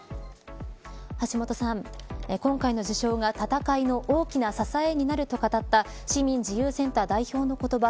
橋下さん、今回の受賞が戦いの大きな支えになると語った市民自由センター代表の言葉